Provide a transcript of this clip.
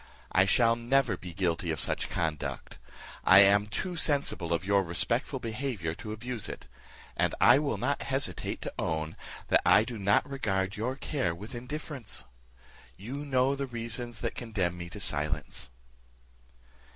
I shall never be guilty of such conduct; I am too sensible of your respectful behaviour to abuse it; and I will not hesitate to own, that I do not regard your care with indifference. You know the reasons that condemn me to silence."